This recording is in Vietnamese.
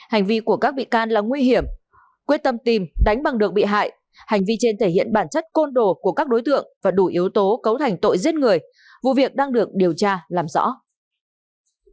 hành vi của các bị can là nguy hiểm quyết tâm tìm đánh bằng được bị hại hành vi trên thể hiện bản chất côn đồ của các đối tượng và đủ yếu tố cấu thành tội giết người vụ việc đang được điều tra làm rõ